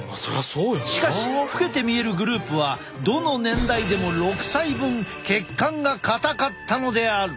しかし老けて見えるグループはどの年代でも６歳分血管が硬かったのである！